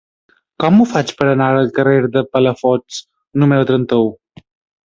Com ho faig per anar al carrer de Palafox número trenta-u?